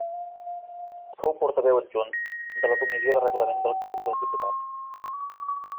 Fou portaveu adjunt de la Comissió de Reglament del Congrés dels Diputats.